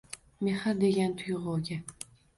Mehr degan tuyg’uga.